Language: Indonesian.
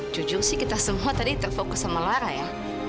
jujur sih kita semua tadi terfokus sama lara ya